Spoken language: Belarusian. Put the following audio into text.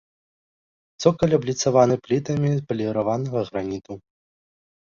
Цокаль абліцаваны плітамі паліраванага граніту.